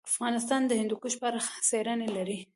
افغانستان د هندوکش په اړه څېړنې لري.